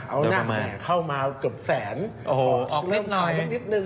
เอาหน้าเนี่ยเข้ามาเกือบแสนออกนิดหน่อยเริ่มขายสักนิดหนึ่ง